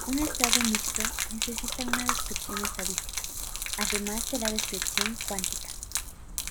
Un estado mixto necesita una descripción estadística además de la descripción cuántica.